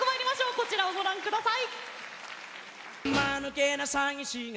こちらをご覧下さい。